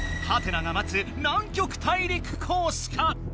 がまつ南極大陸コースか？